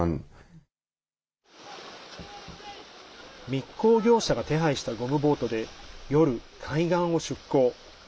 密航業者が手配したゴムボートで夜、海岸を出航。